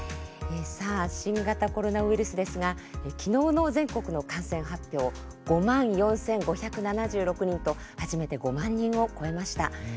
新型コロナウイルスですがきのうの全国の感染発表は５万４５７６人と初めて５万人を超えました。